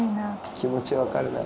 気持ち分かるな。